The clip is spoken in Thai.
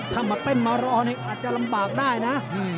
ถ้ามาเต้นมารอนี่อาจจะลำบากได้นะ